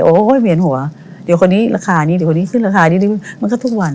โอ้โหเวียนหัวเดี๋ยวคนนี้ราคานี้เดี๋ยวคนนี้ขึ้นราคานิดนึงมันก็ทุกวัน